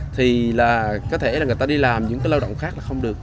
thì là có thể là người ta đi làm những cái lao động khác là không được